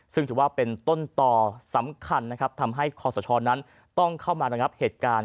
ซึ่งถือว่าเป็นต้นต่อสำคัญนะครับทำให้คอสชนั้นต้องเข้ามาระงับเหตุการณ์